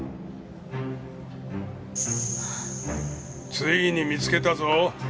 ついに見つけたぞ。